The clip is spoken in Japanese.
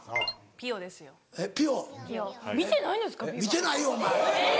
見てないよお前。